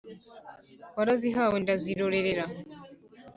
warazihawe ndazirorerera.